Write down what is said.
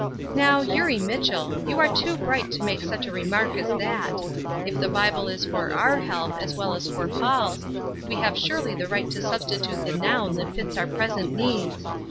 "Now, Eurie Mitchell, you are too bright to make such a remark as that! If the Bible is for our help as well as for Paul's, we have surely the right to substitute the noun that fits our present needs.